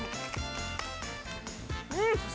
◆うん！